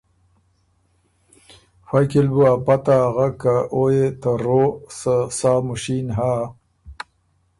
فئ کی ل بُو ا پته اغک که او يې ته رو سۀ سا مشین هۀ